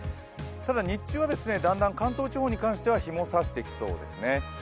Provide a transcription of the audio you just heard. ただ、日中はだんだん関東地方に関しては日も差してきそうですね。